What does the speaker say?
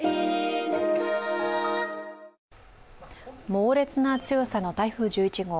猛烈な強さの台風１１号。